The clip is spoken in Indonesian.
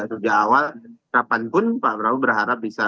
sejak awal kapanpun pak prabowo berharap bisa